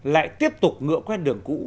lại tiếp tục ngựa quen đường cũ